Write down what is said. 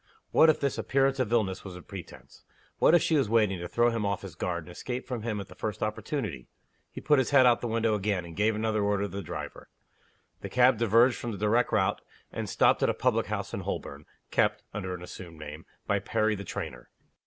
What, if this appearance of illness was a pretense? What, if she was waiting to throw him off his guard, and escape from him at the first opportunity? He put his head out of the window again, and gave another order to the driver. The cab diverged from the direct route, and stopped at a public house in Holborn, kept (under an assumed name) by Perry the trainer.